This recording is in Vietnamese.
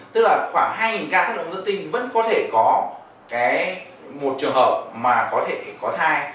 tức là khoảng hai ca thắt ống dựa tinh vẫn có thể có một trường hợp có thể có thai